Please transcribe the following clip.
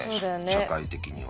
社会的には。